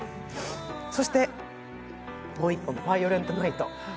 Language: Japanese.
そして、もう１本、「バイオレント・ナイト」。